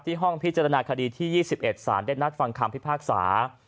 ห้องพิจารณาคดีที่๒๑สารได้นัดฟังคำพิพากษา